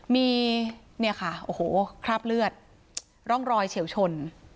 มีเนี่ยค่ะโอ้โหคราบเลือดร่องรอยเฉียวชน